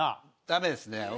ダメですね。